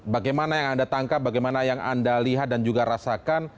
bagaimana yang anda tangkap bagaimana yang anda lihat dan juga rasakan